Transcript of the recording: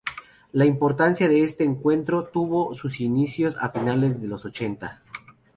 La importancia de este encuentro, tuvo sus inicios a finales de los años ochenta.